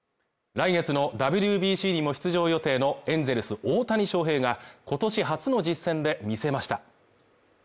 来月のＷＢＣにも出場予定のエンゼルス・大谷翔平が今年初の実戦で見せました。